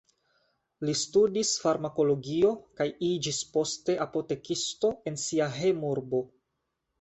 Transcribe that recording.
Li studis farmakologio kaj iĝis poste apotekisto en sia hejmurbo.